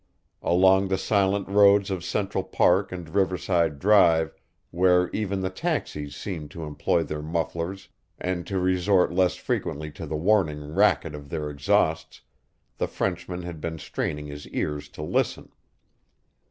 Along the silent roads of Central Park and Riverside Drive, where even the taxis seemed to employ their mufflers and to resort less frequently to the warning racket of their exhausts, the Frenchman had been straining his ears to listen.